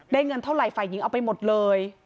เงินเท่าไหร่ฝ่ายหญิงเอาไปหมดเลย